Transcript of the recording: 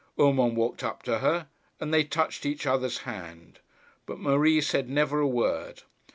Urmand walked up to her, and they touched each other's hand; but Marie said never a word.